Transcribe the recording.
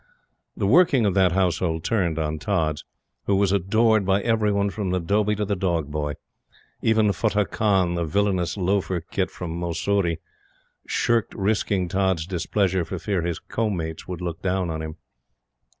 The working of that household turned on Tods, who was adored by every one from the dhoby to the dog boy. Even Futteh Khan, the villainous loafer khit from Mussoorie, shirked risking Tods' displeasure for fear his co mates should look down on him.